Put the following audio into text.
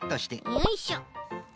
よいしょ。